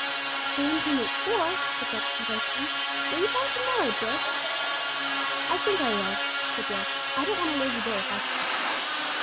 "Two and two make four," said Bumps complacently. "Will you try to morrow, Jill?" "I think I will," said Jill. "I don't want to lose a day if I can help it."